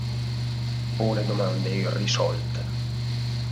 Pone domande irrisolte.